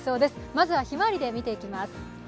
まずはひまわりで見ていきます。